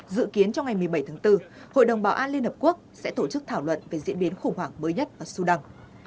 dự kiến trong ngày một mươi bảy tháng bốn hội đồng bảo an liên hợp quốc sẽ tổ chức thảo luận về diễn biến khủng hoảng mới nhất ở sudan